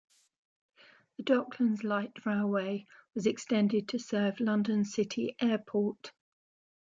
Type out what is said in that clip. The Docklands Light Railway was extended to serve London City Airport.